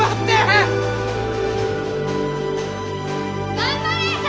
頑張れ！諭！